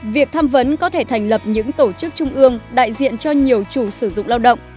việc tham vấn có thể thành lập những tổ chức trung ương đại diện cho nhiều chủ sử dụng lao động